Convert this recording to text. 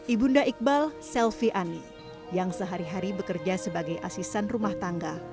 ibunda iqbal selvi ani yang sehari hari bekerja sebagai asisten rumah tangga